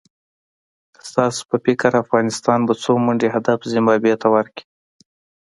ستاسو په فکر افغانستان به څو منډي هدف زیمبابوې ته ورکړي؟